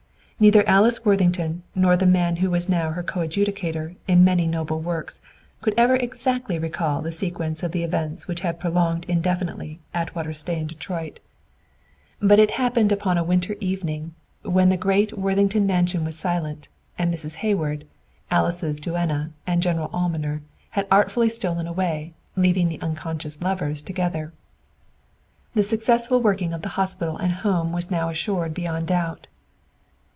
Neither Alice Worthington nor the man who was now her coadjutor in many noble works could ever exactly recall the sequence of the events which had prolonged indefinitely Atwater's stay in Detroit. But it had happened upon a winter evening, when the great Worthington mansion was silent, and Mrs. Hayward, Alice's duenna and general almoner, had artfully stolen away, leaving the unconscious lovers together. The successful working of the Hospital and Home was now assured beyond a doubt.